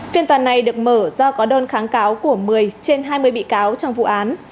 phiên toàn này được mở do có đơn kháng cáo của một mươi trên hai mươi bị cáo trong vụ án